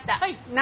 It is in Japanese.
何？